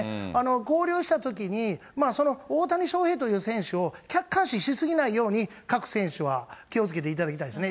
合流したときに、その大谷翔平という選手を客観視し過ぎないように、各選手は気をつけていただきたいですね。